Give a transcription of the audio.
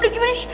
udah gimana nih